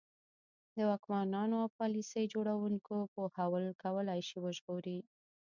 د واکمنانو او پالیسي جوړوونکو پوهول کولای شي وژغوري.